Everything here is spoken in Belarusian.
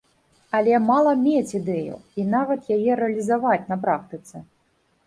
Але мала мець ідэю, і нават яе рэалізаваць на практыцы.